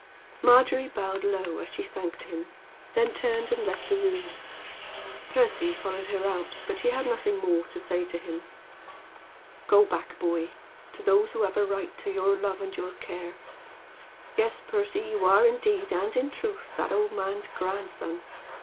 Margery bowed low as she thanked him; then turned and left the room. Percy followed her out, but she had nothing more to say to him. "Go back, boy, to those who have a right to your love and your care. Yes, Percy, you are indeed and in truth that old man's grandson.